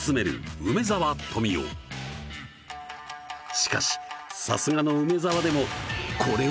しかしさすがの梅沢でもおっ？